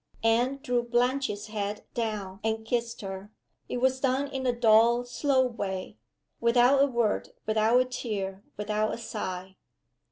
Anne drew Blanche's head down and kissed her. It was done in a dull, slow way without a word, without a tear, without a sigh.